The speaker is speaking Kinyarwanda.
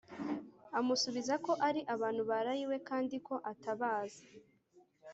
amusubiza ko ari abantu baraye iwe kandi ko atabazi;